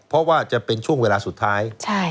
เพราะว่าจะเป็นช่วงเวลาสุดท้าย